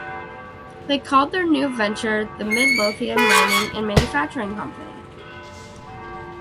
They called their new venture the Mid-Lothian Mining and Manufacturing Company.